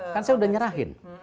kan saya udah nyerahin